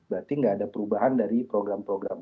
berarti nggak ada perubahan dari program program